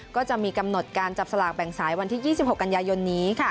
ก็จะมีกำหนดการจับสลากแบ่งสายวันที่๒๖กันยายนนี้